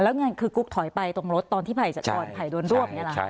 แล้วก็กุ๊กถอยไปตรงตอนที่ไผ่โดนร่วม